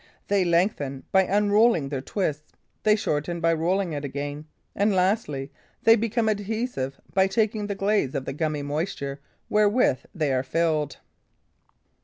They lengthen by unrolling their twist, they shorten by rolling it again; lastly, they become adhesive by taking the glaze of the gummy moisture wherewith they are filled.